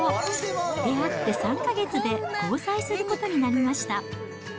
出会って３か月で交際することになりました。